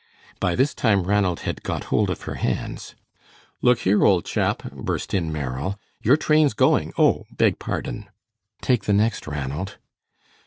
By this time Ranald had got hold of her hands. "Look here, old chap," burst in Merrill, "your train's going. Oh, beg pardon." "Take the next, Ranald."